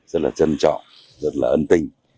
rất là trân trọng rất là ân tình